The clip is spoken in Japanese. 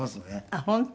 あっ本当。